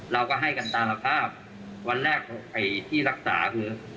เราก็ให้กันตามภาพวันแรกไอ้ที่รักษาคือ